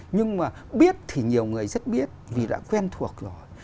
nhưng mà biết thì nhiều người rất biết vì đã quen thuộc rồi